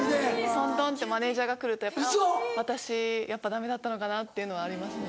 トントンってマネジャーが来ると私やっぱダメだったのかなっていうのはありますね。